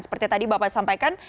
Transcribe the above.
seperti tadi bapak sampaikan